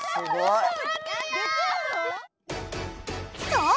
そう！